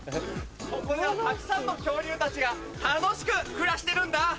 ここではたくさんの恐竜たちが楽しく暮らしてるんだ。